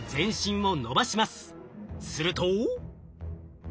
すると。